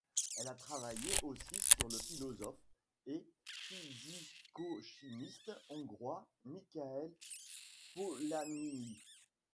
Elle a travaillé aussi sur le philosophe et physico-chimiste hongrois Michael Polanyi.